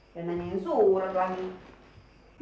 dan nanyain surat lagi